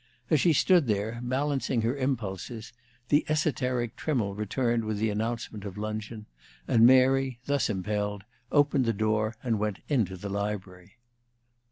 As she stood there, balancing her impulses, the esoteric Trimmle returned with the announcement of luncheon, and Mary, thus impelled, opened the door and went into the library.